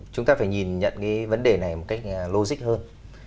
chúng ta phải nhìn nhận cái vấn đề này một cách logic hơn